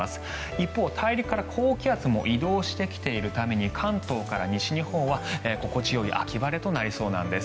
一方、大陸から高気圧も移動してきているために関東から西日本は心地よい秋晴れとなりそうなんです。